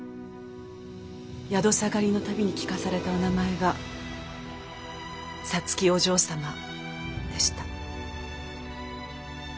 宿下がりの度に聞かされたお名前が皐月お嬢様でした。